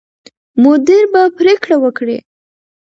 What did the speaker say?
مدیر به پرېکړه وکړي.